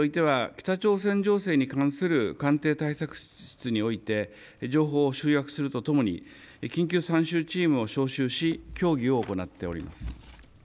なお政府においては北朝鮮情勢に関する官邸対策室において情報を集約するとともに緊急参集チームを招集し協議を行っております。